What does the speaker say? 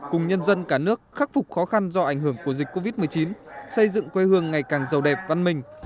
cùng nhân dân cả nước khắc phục khó khăn do ảnh hưởng của dịch covid một mươi chín xây dựng quê hương ngày càng giàu đẹp văn minh